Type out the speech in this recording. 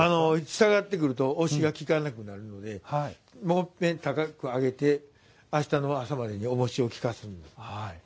下がってくると押しがきかなくなるのでもういっぺん高く上げてあしたの朝までにおもしをきかせるんです。